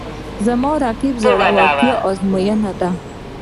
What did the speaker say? رقیب زما د زړورتیا آزموینه ده